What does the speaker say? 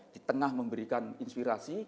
di tengah memberikan inspirasi